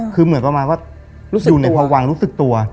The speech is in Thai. คือเหมือนประมาณว่าอยู่ในพวังรู้สึกตัว